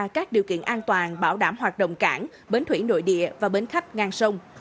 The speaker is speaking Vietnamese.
các điều kiện an toàn bảo đảm hoạt động cảng bến thủy nội địa và bến khách ngang sông